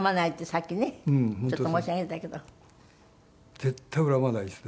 絶対恨まないですね。